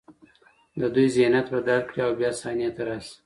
د دوی ذهنیت بدل کړي او بیا صحنې ته راشي.